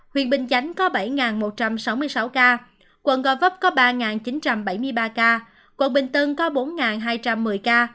huyện bình chánh có bảy một trăm sáu mươi sáu ca quận gò vấp có ba chín trăm bảy mươi ba ca quận bình tân có bốn hai trăm một mươi ca